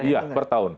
iya per tahun